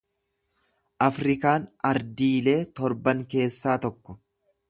Afrikaan ardiilee torban keessaa tokko.